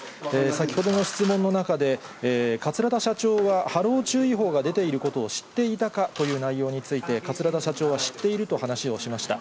先ほどの質問の中で、桂田社長は波浪注意報が出ていることを知っていたかという内容について、桂田社長は知っていると話をしました。